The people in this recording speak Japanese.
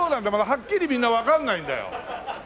はっきりみんなわかんないんだよ。